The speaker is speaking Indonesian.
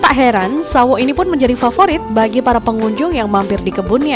tak heran sawo ini pun menjadi favorit bagi para pengunjung yang mampir di kebunnya